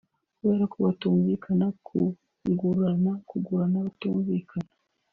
kubera ko batumvikana ku ngurane amusaba